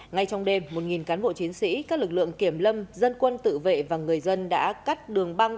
ngay trong đêm một cán bộ chiến sĩ các lực lượng kiểm lâm dân quân tự vệ và người dân đã cắt đường băng